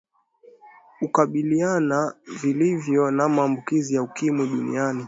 ukabiliana vilivyo na maambukizi ya ukimwi duniani